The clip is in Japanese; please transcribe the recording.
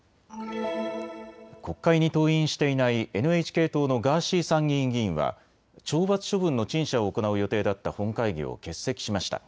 国会に登院していないＮＨＫ党のガーシー参議院議員は懲罰処分の陳謝を行う予定だった本会議を欠席しました。